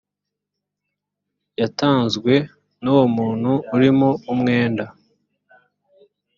yatanzwe nuwo muntu urimo umwenda .